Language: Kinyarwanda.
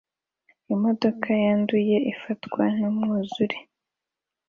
Imodoka yanduye ifatwa numwuzure